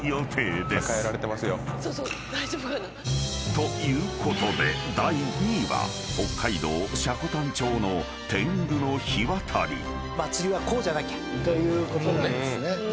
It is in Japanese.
［ということで第２位は北海道積丹町の天狗の火渡り］ということなんですね。